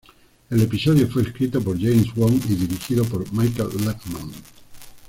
El episodio fue escrito por James Wong y dirigido por Michael Lehmann.